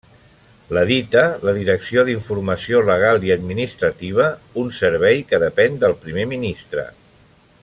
L'edita la direcció d'informació legal i administrativa, un servei que depèn del Primer ministre.